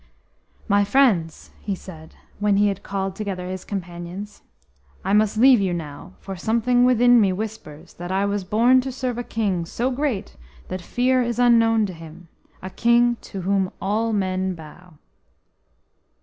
"My friends," he said, when he had called together his companions, "I must leave you now, for something within me whispers that I was born to serve a king so great that fear is unknown to him; a king to whom all men bow."